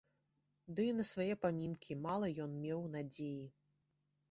Ды і на свае памінкі мала ён меў надзеі.